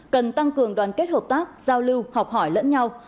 cần tăng cường đoàn kết hợp tác giao lưu học hỏi lẫn nhau